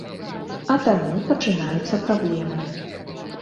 А таму пачынаюцца праблемы.